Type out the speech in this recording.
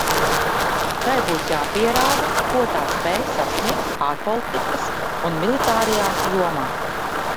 Tai būs jāpierāda, ko tā spēj sasniegt ārpolitikas un militārajā jomā.